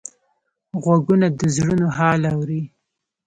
غوږونه د زړونو حال اوري